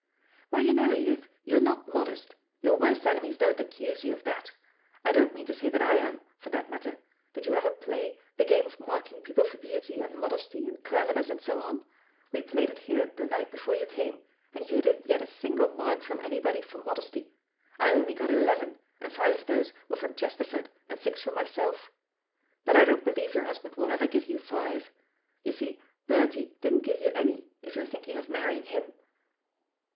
"Well, you know, Edith, you're not modest. Your worst enemies don't accuse you of that. I don't mean to say that I am, for that matter. Did you ever play, the game of marking people for beauty, and modesty, and cleverness, and so on? We played it here the night before you came, and you didn't get a single mark from anybody for modesty. I only got eleven, and five of those were from Chesterford, and six from myself. But I don't believe your husband will ever give you five. You see, Bertie didn't give you any, if you're thinking of marrying him."